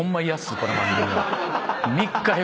この番組は。